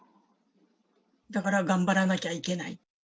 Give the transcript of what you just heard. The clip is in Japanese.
だから頑張らなきゃいけない。